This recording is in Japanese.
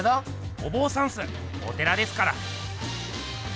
おぼうさんっすお寺ですから。